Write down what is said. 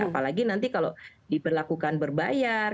apalagi nanti kalau diperlakukan berbayar